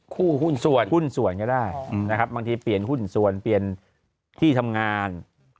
หุ้นส่วนหุ้นส่วนก็ได้นะครับบางทีเปลี่ยนหุ้นส่วนเปลี่ยนที่ทำงาน